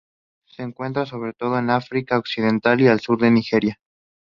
Se encuentra sobre todo en el África occidental y el sur de Nigeria.